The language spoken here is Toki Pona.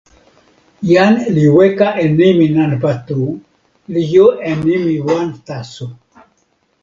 jan li weka e nimi nanpa tu, li jo e nimi wan taso.